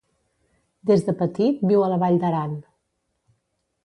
Des de petit viu a la vall d'Aran.